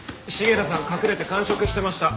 重田さん隠れて間食してました。